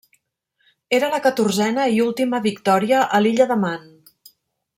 Era la catorzena i última victòria a l'Illa de Man.